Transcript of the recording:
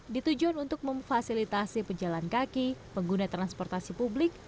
ditujuan untuk memfasilitasi pejalan kaki pengguna transportasi publik